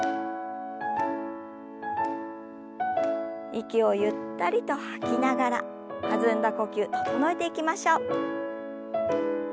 息をゆったりと吐きながら弾んだ呼吸整えていきましょう。